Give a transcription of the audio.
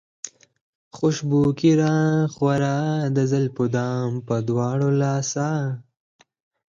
خوشبو که راخوره د زلفو دام پۀ دواړه لاسه